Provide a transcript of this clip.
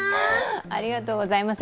ありがとうございます。